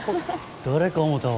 誰かぁ思たわ。